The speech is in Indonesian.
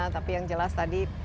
tapi yang jelas tadi